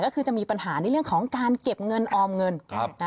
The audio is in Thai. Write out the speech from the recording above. ก็คือจะมีปัญหาในเรื่องของการเก็บเงินออมเงิน